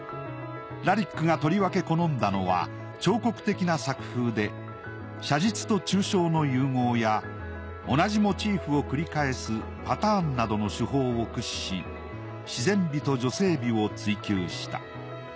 ラリックがとりわけ好んだのは彫刻的な作風で写実と抽象の融合や同じモチーフを繰り返すパターンなどの手法を駆使し自然美と女性美を追求した。